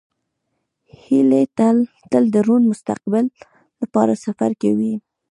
هیلۍ تل د روڼ مستقبل لپاره سفر کوي